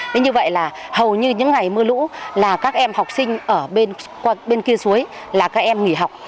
thế như vậy là hầu như những ngày mưa lũ là các em học sinh ở bên kia suối là các em nghỉ học